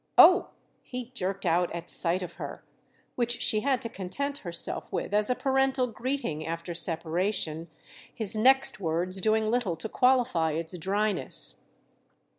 "Oh!" he jerked out at sight of her—which she had to content herself with as a parental greeting after separation, his next words doing little to qualify its dryness.